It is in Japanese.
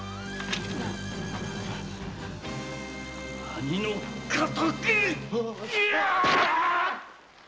兄の敵！